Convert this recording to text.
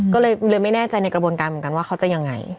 ก็เลยไม่แน่ใจในกระบวนการเหมือนกันว่าเขาจะยังไง